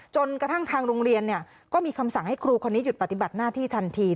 จนกระทั่งทางโรงเรียนก็มีคำสั่งให้ครูคนนี้หยุดปฏิบัติหน้าที่ทันที